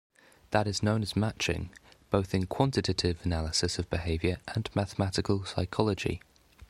That is known as matching, both in quantitative analysis of behavior and mathematical psychology.